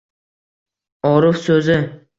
Orif so’zi: